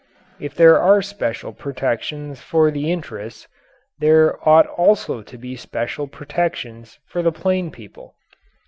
If there are special protections for the interests, there ought also to be special protections for the plain people.